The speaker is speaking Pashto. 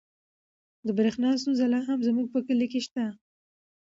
د برښنا ستونزه لا هم زموږ په کلي کې شته.